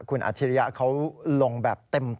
คุณอาชิริยะเขาลงแบบเต็ม